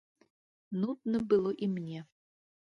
Нудна было і мне.